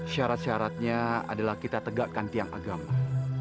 syarat syaratnya adalah kita tegakkan tiang agama